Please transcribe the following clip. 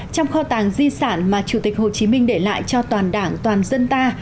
trong kho tàng di sản mà chủ tịch hồ chí minh để lại cho toàn đảng toàn dân ta